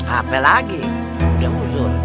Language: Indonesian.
apa lagi udah hujur